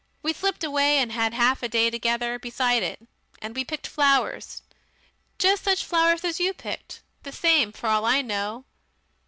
We slipped away and had half a day together beside it. And we picked flowers. Just such flowers as you picked. The same for all I know.